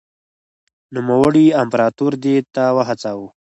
نوموړي امپراتور دې ته وهڅاوه.